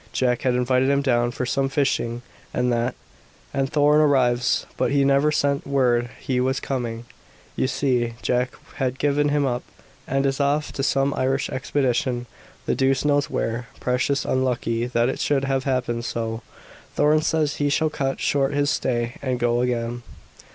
"Jack had invited him down for some fishing and that, and Thorn arrives. But he never sent word he was coming, you see; Jack had given him up, and is off on some Irish expedition, the deuce knows where. Precious unlucky that it should have happened so. Thorn says he shall cut short his stay, and go again."